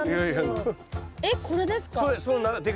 あっこれですか？